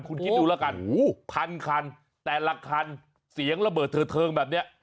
คิดดูละกันพันคันแต่ละคันเสียงระเบิดเถิดเทิงแบบเนี้ย